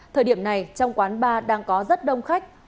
thời điểm này trong quán bar đang có rất đông khách